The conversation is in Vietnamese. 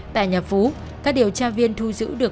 tại nhà phú các điều tra viên thu giữ được